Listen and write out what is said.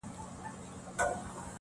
زړه یواځي پروت، په خونه د کوګل کي